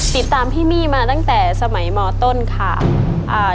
ติดตามพี่มี่มาตั้งแต่สมัยมต้นค่ะอ่า